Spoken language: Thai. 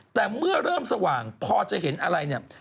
แต่เมื่อเริ่มสว่างพอจะเห็นอะไรเนี่ย